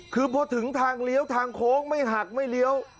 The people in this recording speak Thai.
คือพอถึงทางเลี้ยวทางโค้งไม่หักไม่เลี้ยว